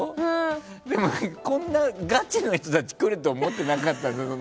こんなガチな人たち来ると思ってなかった。